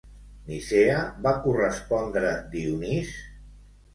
Nicea va correspondre Dionís?